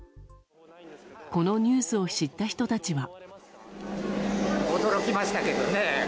このニュースを知った人たちは。